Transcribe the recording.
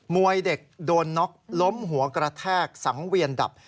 วยเด็กโดนน็อกล้มหัวกระแทกสังเวียนดับ